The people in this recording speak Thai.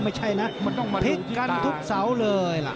ไม่ใช่นะพลิกกันทุกเสาร์เลย